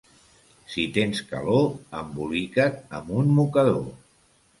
Si tens calor, embolica't amb un mocador.